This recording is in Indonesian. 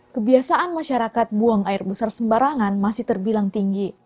kebiasaan masyarakat buang air besar sembarangan masih terbilang tinggi